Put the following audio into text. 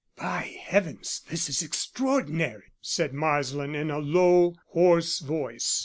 "By heavens, this is extraordinary," said Marsland, in a low hoarse voice.